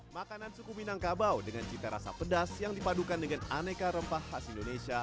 makanan suku minangkabau dengan cita rasa pedas yang dipadukan dengan aneka rempah khas indonesia